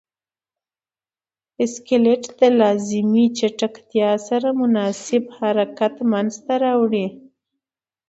سکلیټ د لازمې چټکتیا سره مناسب حرکت منځ ته راوړي.